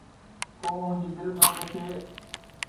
ڪو منهنجي دل کان پڇي